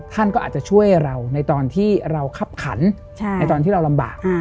ท่านก็อาจจะช่วยเราในตอนที่เราคับขันในตอนที่เราลำบาก